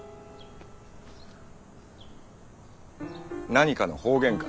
何かの方言か？